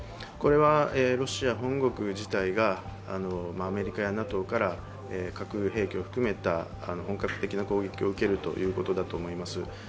これはロシア本国自体がアメリカやＮＡＴＯから核兵器を含めた本格的な攻撃を受けるということだと思います。